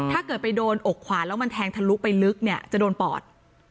ถ้าเกิดไปโดนอกขวาแล้วมันแทงทะลุไปลึกเนี่ยจะโดนปอด